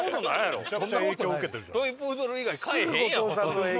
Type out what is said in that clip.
トイプードル以外飼えへんやん！